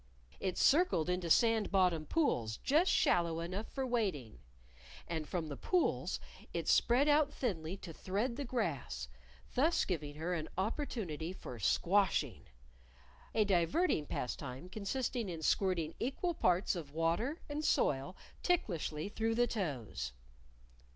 It circled into sand bottomed pools just shallow enough for wading; and from the pools, it spread out thinly to thread the grass, thus giving her an opportunity for squashing a diverting pastime consisting in squirting equal parts of water and soil ticklishly through the toes.